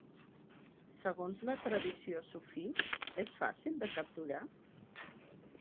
Segons la tradició sufí, és fàcil de capturar?